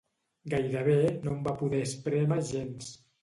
Gairebé no en va poder esprémer gens.